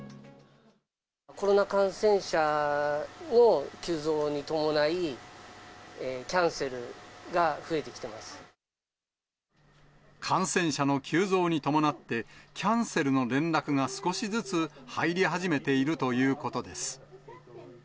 コロナ感染者の急増に伴い、感染者の急増に伴って、キャンセルの連絡が少しずつ入り始めているということです。